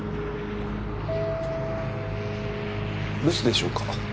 留守でしょうか。